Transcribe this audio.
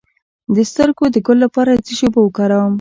د سترګو د ګل لپاره د څه شي اوبه وکاروم؟